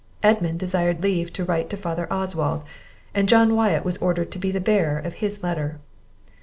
Edmund desired leave to write to father Oswald, and John Wyatt was ordered to be the bearer of his letter.